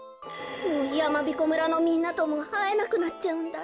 もうやまびこ村のみんなともあえなくなっちゃうんだ。